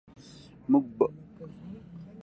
موږ باید و خویندو ته د میراث حق ورکړو